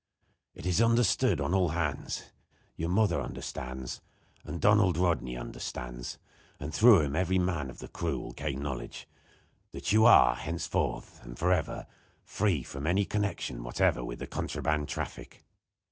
It is understood on all hands your mother understands, and Donald Rodney understands and through him every man of the crew will gain knowledge that you are, henceforth and forever, free from any connection whatever with the contraband traffic.